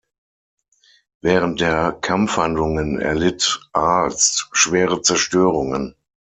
Während der Kampfhandlungen erlitt Aalst schwere Zerstörungen.